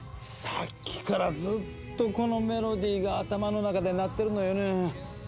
さっきからずっとこのメロディーが頭の中で鳴ってるのよね。